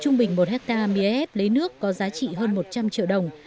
trung bình một hectare mía ép lấy nước có giá trị hơn một trăm linh triệu đồng